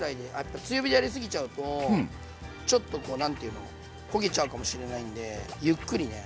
強火でやり過ぎちゃうとちょっとこう何て言うの焦げちゃうかもしれないんでゆっくりね。